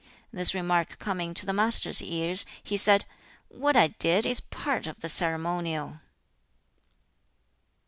This remark coming to the Master's ears, he said, "What I did is part of the ceremonial!"